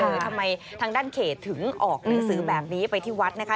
ทำไมทางด้านเขตถึงออกหนังสือแบบนี้ไปที่วัดนะคะ